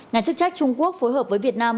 nhà chức trách trung quốc phối hợp với việt nam